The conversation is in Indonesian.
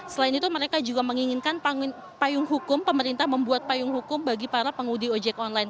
selain itu mereka juga menginginkan payung hukum pemerintah membuat payung hukum bagi para pengemudi ojek online